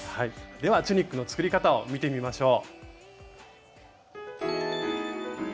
ではチュニックの作り方を見てみましょう。